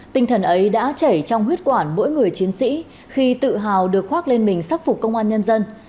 tinh thần ấy đã chảy trong huyết quản mỗi người chiến sĩ khi tự hào được khoác lên mình sắc phục công an nhân dân